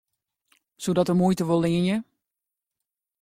Soe dat de muoite wol leanje?